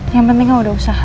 yang penting udah usaha